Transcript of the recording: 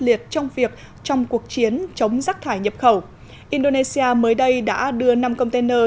liệt trong việc trong cuộc chiến chống rác thải nhập khẩu indonesia mới đây đã đưa năm container